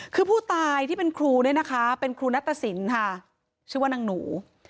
คือผู้ตายที่เป็นครูเนี่ยนะคะเป็นครูนัตตสินค่ะชื่อว่านางหนู